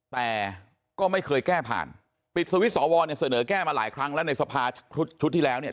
แต่ก็ไม่เคยแก้ผ่านปิดสวิตช์สอวรเนี่ยเสนอแก้มาหลายครั้งแล้วในสภาชุดที่แล้วเนี่ย